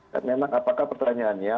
dan memang apakah pertanyaannya